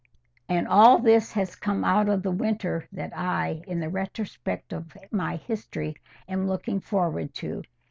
And all this has come out of the winter that I, in the retrospect of my history, am looking forward to.